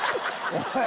おい！